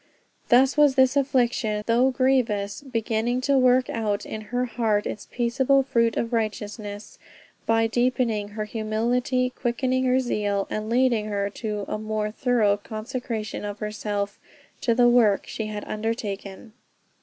Thus was this affliction, though "grievous," beginning to work out in her heart its "peaceable fruit of righteousness," by deepening her humility, quickening her zeal, and leading her to a more thorough consecration of herself to the work she had undertaken.